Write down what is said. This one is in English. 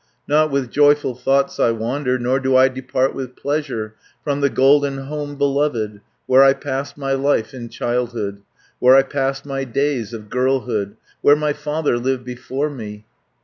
Not with joyful thoughts I wander Nor do I depart with pleasure From the golden home beloved, Where I passed my life in childhood, Where I passed my days of girlhood, Where my father lived before me.